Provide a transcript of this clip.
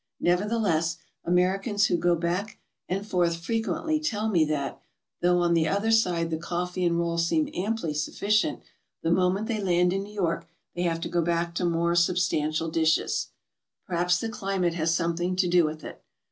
Nevertheless, Americans who go back and forth frequently tell me that, though on the other side the coffee and roll seem amply sufficient, the moment they land in New York they have to go back to more substantial dishes, Perhaps the climate PERSONALITIES. 229 has something to do with it.